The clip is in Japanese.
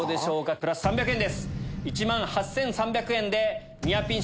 プラス３００円。